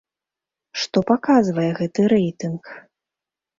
Што паказвае гэты рэйтынг?